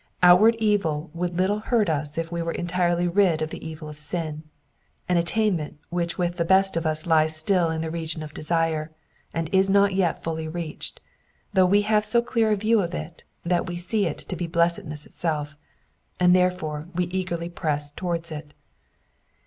Outward evil would Httle hurt us if we were entirely rid of the evil of sin, an attain ment which with the best of us lies still in the region of desire, and is not yet fully reached, though we have so clear a view of it that we see it to be blessedness itself ; and therefore we eagerly press towards it.